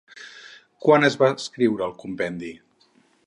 Quan es va escriure el compendi?